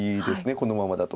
このままだと。